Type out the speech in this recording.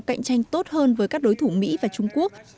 cạnh tranh tốt hơn với các đối thủ mỹ và trung quốc